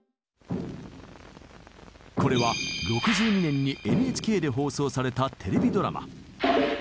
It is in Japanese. これは６２年にＮＨＫで放送されたテレビドラマ。